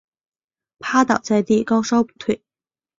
趴倒在地高烧不退